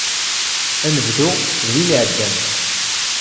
Anebdu d win iɛeddan.